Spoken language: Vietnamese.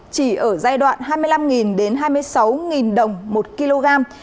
chỉ ở giai đoạn hai mươi năm đến hai mươi sáu đồng một kg